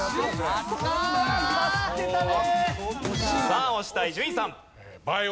さあ押した伊集院さん。